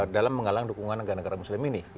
dalam menggalang dukungan negara negara muslim ini